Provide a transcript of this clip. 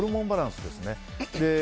特にホルモンバランスですね。